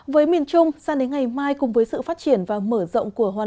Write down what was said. với miền trung sang đến ngày mai cùng với sự phát triển và mở rộng của hồ chí minh